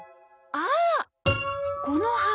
あっこの歯。